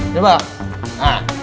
sama makan dulu